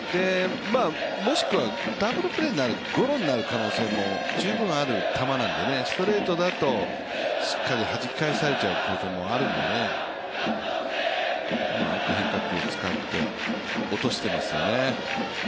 もしくはダブルプレーになる、ゴロになる可能性も十分ある球なので、ストレートだとしっかり弾き返されちゃう可能性もあるんで変化球を使って落としてますよね。